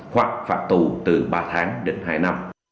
hoặc phạt tù từ ba tháng đến hai năm